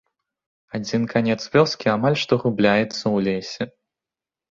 Адзін канец вёскі амаль што губляецца ў лесе.